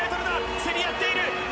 競り合っている。